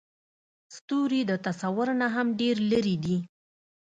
ستوري د تصور نه هم ډېر لرې دي.